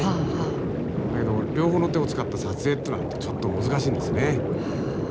だけど両方の手を使った撮影ってのはちょっと難しいんですね。